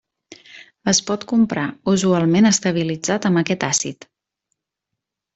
Es pot comprar, usualment estabilitzat amb aquest àcid.